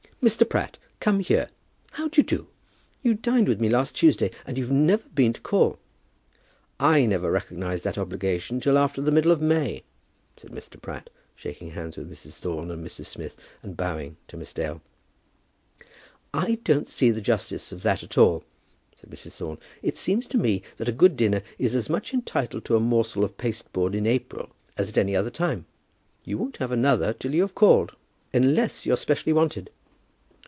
"Mr. Pratt, come here. How d'ye do? You dined with me last Tuesday, and you've never been to call." "I never recognize that obligation till after the middle of May," said Mr. Pratt, shaking hands with Mrs. Thorne and Mrs. Smith, and bowing to Miss Dale. "I don't see the justice of that at all," said Mrs. Thorne. "It seems to me that a good dinner is as much entitled to a morsel of pasteboard in April as at any other time. You won't have another till you have called, unless you're specially wanted."